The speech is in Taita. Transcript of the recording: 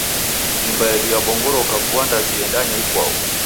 Nyumba yedu yebongoroka vua ndazi yendanya ikwau.